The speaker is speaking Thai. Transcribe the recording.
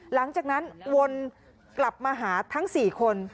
หลังจากนั้นวนกลับมาหาทั้ง๔คน